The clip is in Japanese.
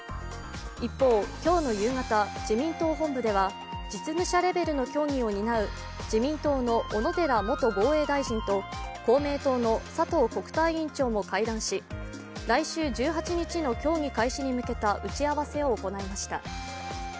一方、今日の夕方、自民党本部では実務者レベルの協議を担う自民党の小野寺元防衛大臣と公明党の佐藤国対委員長も会談し来週１８日の協議開始に向けた打ち合わせを行いました。